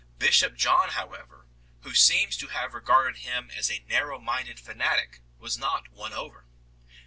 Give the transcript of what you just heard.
Bishop John however, who seems to have regarded him as a narrow minded fanatic, was not won over.